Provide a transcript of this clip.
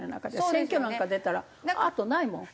選挙なんか出たらあとないもん。